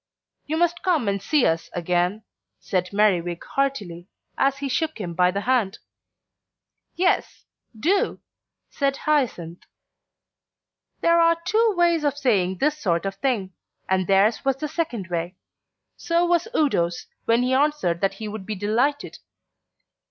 "You must come and see us again," said Merriwig heartily, as he shook him by the hand. "Yes, do," said Hyacinth. There are two ways of saying this sort of thing, and theirs was the second way. So was Udo's, when he answered that he would be delighted.